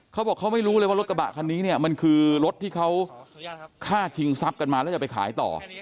เขาบอกเขาไม่รู้เลยว่ารถกระบะคันนี้เนี่ยมันคือรถที่เขาฆ่าชิงทรัพย์กันมาแล้วจะไปขายต่อ